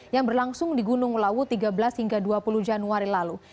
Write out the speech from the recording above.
yang berlangsung di gunung lawu tiga belas hingga dua puluh januari lalu